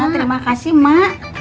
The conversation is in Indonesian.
terima kasih mak